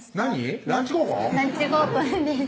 ランチ合コンです